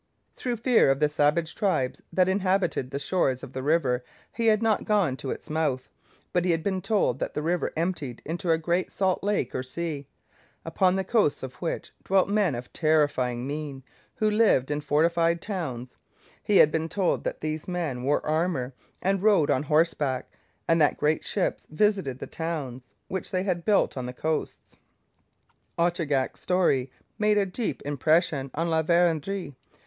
Through fear of the savage tribes that inhabited the shores of the river, he had not gone to its mouth, but he had been told that the river emptied into a great salt lake or sea, upon the coasts of which dwelt men of terrifying mien, who lived in fortified towns; he had been told that these men wore armour and rode on horseback, and that great ships visited the towns which they had built on the coasts. Ochagach's story made a deep impression on La Vérendrye.